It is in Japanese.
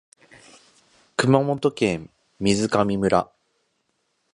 熊本県水上村